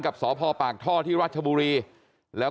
กลับไปลองกลับ